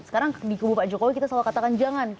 sekarang di kubu pak jokowi kita selalu katakan jangan